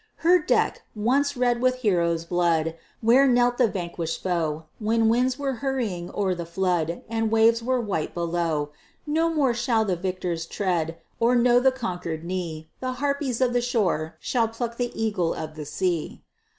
Her deck, once red with heroes' blood, Where knelt the vanquished foe, When winds were hurrying o'er the flood, And waves were white below, No more shall feel the victor's tread, Or know the conquered knee; The harpies of the shore shall pluck The eagle of the sea!